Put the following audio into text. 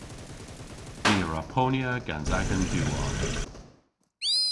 Ni a wra ponya gans agan diwarr.